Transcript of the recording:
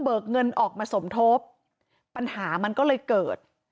และมีการเก็บเงินรายเดือนจริง